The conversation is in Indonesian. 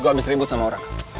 gue habis ribut sama orang